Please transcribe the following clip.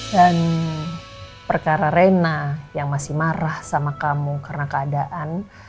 dan perkara reina yang masih marah sama kamu karena keadaan